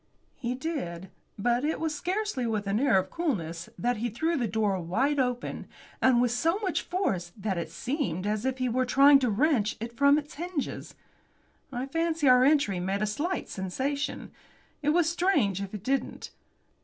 He did. But it was scarcely with an air of coolness that he threw the door wide open, and with so much force that it seemed as if he were trying to wrench it from its hinges. I fancy our entry made a slight sensation. It was strange if it didn't.